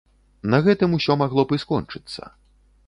На гэтым усё магло б і скончыцца.